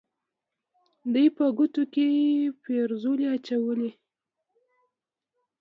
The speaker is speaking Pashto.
دوی په ګوتو کې فیروزه اچوي.